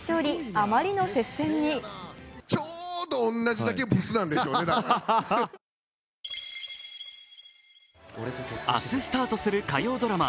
あまりの接戦に明日スタートする火曜ドラマ